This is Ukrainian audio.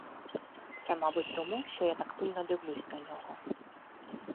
Це мабуть тому, що я так пильно дивлюсь на нього.